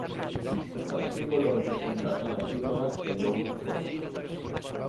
Cada símbolo representa unha sílaba e non un fonema.